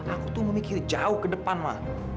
aku tuh mau mikir jauh ke depan ma